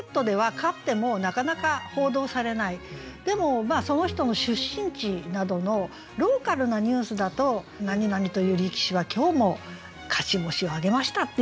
でもその人の出身地などのローカルなニュースだと「なになにという力士は今日も勝ち星を挙げました」っていうふうに言ってくれる。